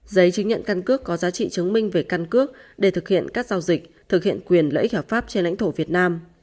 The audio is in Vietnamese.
giấy chứng nhận căn cước có giá trị chứng minh về căn cước để thực hiện các giao dịch thực hiện quyền lợi ích hợp pháp trên lãnh thổ việt nam